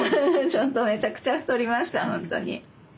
ちょっとめちゃくちゃ太りましたほんとに。